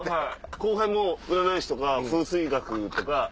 後輩も占い師とか風水学とか。